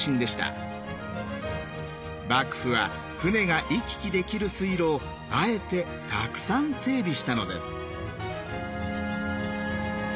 幕府は船が行き来できる水路をあえてたくさん整備したのです。